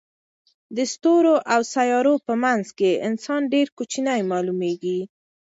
د ستورو او سیارو په منځ کې انسان ډېر کوچنی معلومېږي.